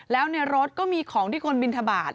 แล้วเนี่ยรถก็มีของที่คนบิณฑบาต